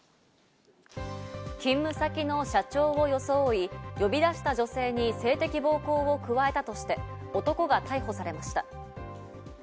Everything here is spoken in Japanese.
勤務先の社長を装い、呼び出した女性に性的暴行を加えたとして、男が逮捕されました。